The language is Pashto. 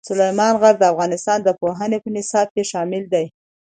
سلیمان غر د افغانستان د پوهنې په نصاب کې شامل دی.